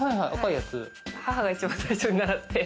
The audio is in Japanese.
母が一番最初に習って。